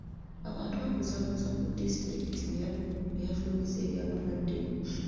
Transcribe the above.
Abantu babuusabuusa ku disitulikiti by'efulumizza aby'abalwadde.